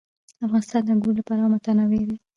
افغانستان د انګور له پلوه متنوع دی.